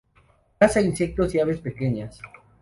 Caza insectos y aves pequeñas.